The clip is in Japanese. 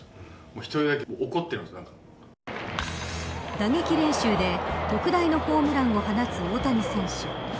打撃練習で特大のホームランを放つ大谷選手。